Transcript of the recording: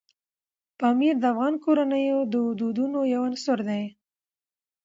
پامیر د افغان کورنیو د دودونو یو عنصر دی.